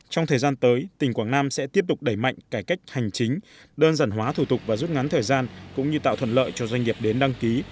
trong thời gian tới tỉnh quảng nam sẽ tiếp tục đẩy mạnh cải cách hành chính đơn giản hóa thủ tục và rút ngắn thời gian cũng như tạo thuận lợi cho doanh nghiệp đến đăng ký